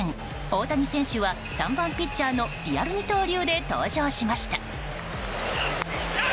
大谷選手は、３番ピッチャーのリアル二刀流で登場しました。